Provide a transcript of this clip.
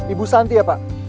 ibu santi ya pak